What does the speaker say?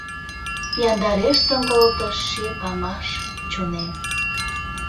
Яндарештын колтыш ший памаш-чонем.